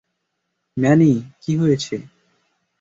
Many, কি হয়েছে?